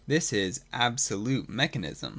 This is (3) Absolute Mechanism.